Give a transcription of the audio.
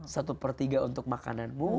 satu per tiga untuk makananmu